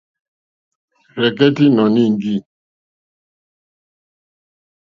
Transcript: Rzɛ̀kɛ́tɛ́ ìnɔ̀ní íŋɡî.